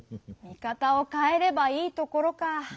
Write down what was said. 「見かたをかえればいいところ」か。